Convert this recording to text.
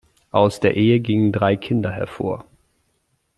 Aus der Ehe gingen drei Kinder hervor.